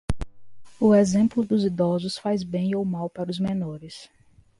O exemplo dos idosos faz bem ou mal para os menores.